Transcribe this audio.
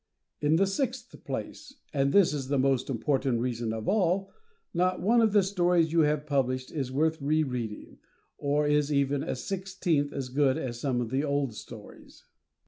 In the sixth place, and this is the most important reason of all, not one of the stories you have published is worth re reading, or is even a sixteenth as good as some of the old stories.